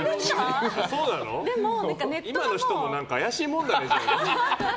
今の人も怪しいもんだね。